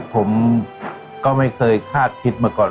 ผมก็ไม่เคยคาดคิดมาก่อน